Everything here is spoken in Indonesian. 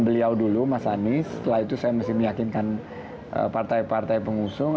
beliau dulu mas anies setelah itu saya mesti meyakinkan partai partai pengusung